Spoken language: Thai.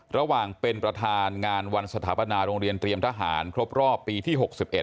ระหว่างเป็นประธานงานวันสถาปนาโรงเรียนเตรียมทหารครบรอบปีที่๖๑